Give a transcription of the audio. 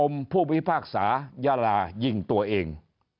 อมพูดวิภาคสาหย่ารายิ่งตัวเอง